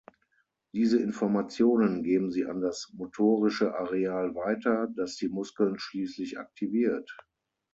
Diese Informationen geben sie an das motorische Areal weiter, das die Muskeln schließlich aktiviert.